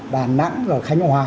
đà nẵng khánh hòa